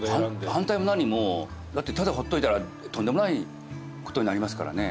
反対も何もただほっといたらとんでもないことになりますからね。